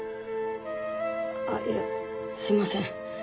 あっいやすいません。